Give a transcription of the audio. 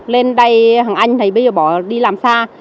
lên đây hằng anh thấy bây giờ bỏ đi làm xa